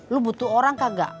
lu butuh orang kagak